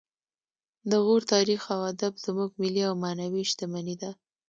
د غور تاریخ او ادب زموږ ملي او معنوي شتمني ده